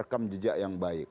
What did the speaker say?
rekam jejak yang baik